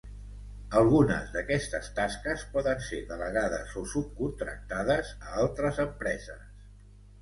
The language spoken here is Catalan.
Algunes d'aquestes tasques poden ser delegades o subcontractades a altres empreses.